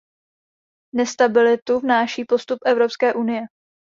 Nestabilitu vnáší postup Evropské unie.